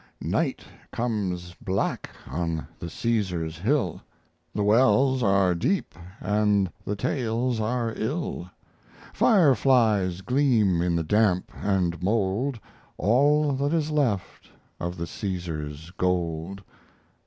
Night comes black on the Caesar's hill; The wells are deep and the tales are ill. Fireflies gleam in the damp and mold, All that is left of the Caesar's gold.